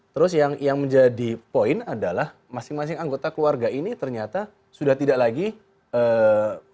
terus yang menjadi poin adalah masing masing anggota keluarga ini ternyata sudah tidak lagi memiliki rasa respect terhadap atau mengerti